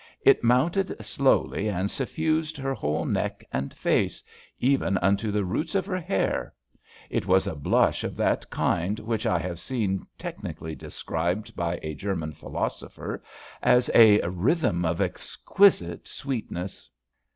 It mounted slowly and suffused her whole neck and face, even unto the roots of her hair; it was a blush of that kind which I have seen technically described by a German philosopher as a "rhythm of exquisite sweetness."